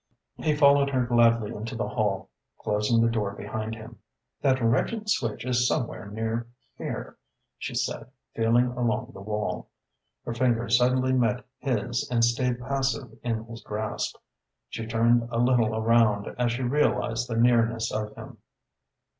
He followed her gladly into the hall, closing the door behind him. "That wretched switch is somewhere near here," she said, feeling along the wall. Her fingers suddenly met his and stayed passive in his grasp. She turned a little around as she realised the nearness of him.